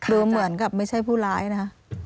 ดูเหมือนกับไม่ใช่ผู้ร้ายนะ